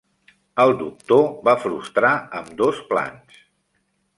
El doctor va frustrar ambdós plans.